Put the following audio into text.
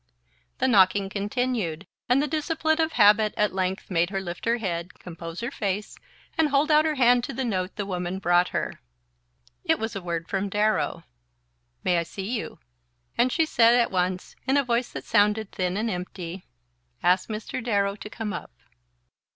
The knocking continued, and the discipline of habit at length made her lift her head, compose her face and hold out her hand to the note the woman brought her. It was a word from Darrow "May I see you?" and she said at once, in a voice that sounded thin and empty: "Ask Mr. Darrow to come up."